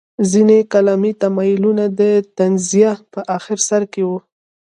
ځینې کلامي تمایلونه د تنزیه په اخر سر کې وو.